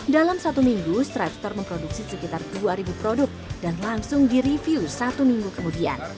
dalam satu minggu stripster memproduksi sekitar dua ribu produk dan langsung direview satu minggu kemudian